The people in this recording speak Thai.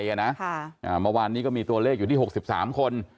เมื่อวานนี้ก็มีตัวเลขอยู่ที่๖๓คน